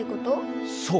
そう。